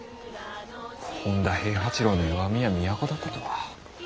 本多平八郎の弱みは都だったとは。